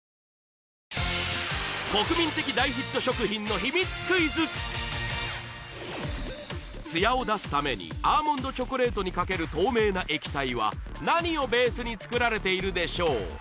「ＭＡＲＥ」家は生きる場所へツヤを出すためにアーモンドチョコレートにかける透明な液体は何をベースに作られているでしょう？